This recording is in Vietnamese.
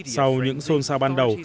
sau những xôn xao ban đầu